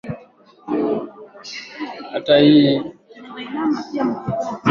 na si vinginevyo kama wanapofikia watu wengine ndiyo ee ee je